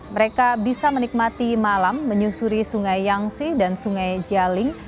mereka bisa menikmati malam menyusuri sungai yangsi dan sungai jialing